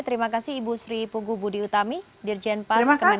terima kasih ibu sri pugu budi utami dirjen pas kemenkes